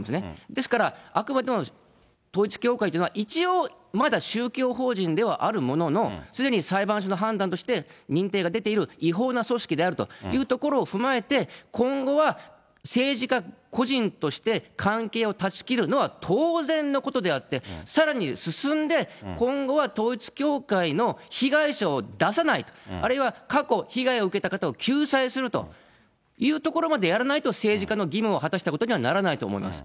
ですから、あくまでも統一教会というのは、一応まだ宗教法人ではあるものの、すでに裁判所の判断として認定が出ている違法な組織であるというところを踏まえて、今後は、政治家個人として、関係を断ち切るのは当然のことであって、さらに進んで、今後は統一教会の被害者を出さないと、あるいは過去、被害を受けた方を救済するというところまでやらないと、政治家の義務を果たしたことにはならないと思います。